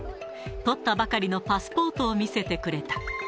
取ったばかりのパスポートを見せてくれた。